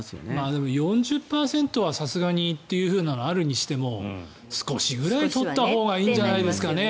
でも、４０％はさすがにというのはあるにしても少しぐらい取ったほうがいいんじゃないんですかね。